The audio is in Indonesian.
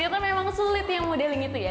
oh wah ternyata memang sulit ya modeling itu ya